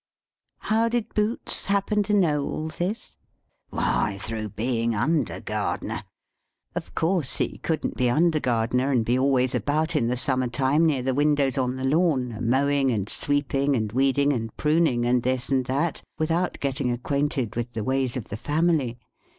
How did Boots happen to know all this? Why, through being under gardener. Of course he couldn't be under gardener, and be always about, in the summer time, near the windows on the lawn, a mowing, and sweeping, and weeding, and pruning, and this and that, without getting acquainted with the ways of the family.